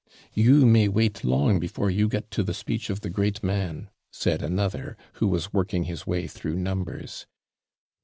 'You may wait long before you get to the speech of the great man,' said another, who was working his way through numbers.